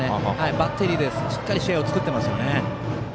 バッテリーでしっかり試合を作ってますね。